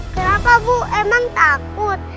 kenapa ibu emang takut